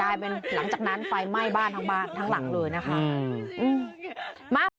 กลายเป็นหลังจากนั้นไฟไหม้บ้านทั้งหลังเลยนะคะ